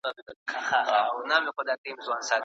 ملا په کوټه کې څراغ بل کړ.